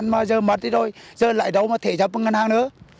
mà giờ mất rồi giờ lại đâu thể giúp ngân hàng nữa